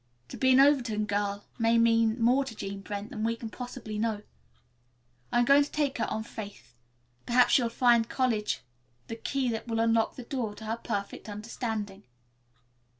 To be an Overton girl may mean more to Jean Brent than we can possibly know. I'm going to take her on faith. Perhaps she'll find college the key that will unlock the door to perfect understanding."